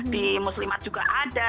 di muslimat juga ada